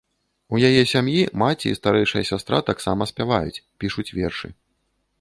У яе сям'і маці і старэйшая сястра таксама спяваюць, пішуць вершы.